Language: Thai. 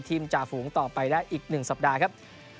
จ่าฝูงต่อไปได้อีก๑สัปดาห์ครับ